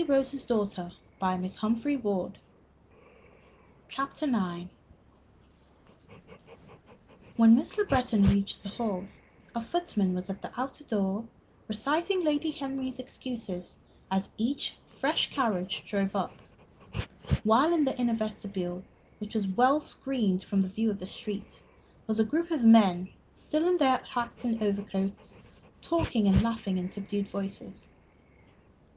"I'll go and speak to Hutton," said Julie. And she hurried into the hall. IX When Miss Le Breton reached the hall, a footman was at the outer door reciting Lady Henry's excuses as each fresh carriage drove up; while in the inner vestibule, which was well screened from the view of the street, was a group of men, still in their hats and over coats, talking and laughing in subdued voices.